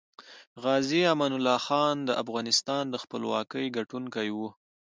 غازي امان الله خان دافغانستان دخپلواکۍ ګټونکی وه